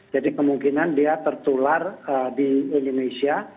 jadi kemungkinan dia tertular di indonesia